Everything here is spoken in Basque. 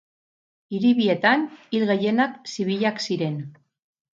Hiri bietan, hil gehienak zibilak ziren.